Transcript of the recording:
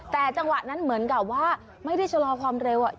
แต่จังหวะนั้นเหมือนกับว่าไม่ได้ชะลอความเร็ว